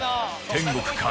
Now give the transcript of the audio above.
天国か？